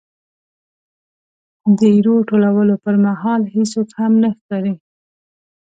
د ایرو ټولولو پرمهال هېڅوک هم نه ښکاري.